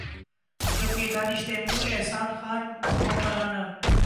جب کہ دانش تیمور، احسن خان، معمر رانا